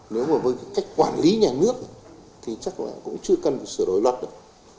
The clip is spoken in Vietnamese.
nếu mà với cách quản lý nhà nước thì chắc là cũng chưa cần sửa đổi luật được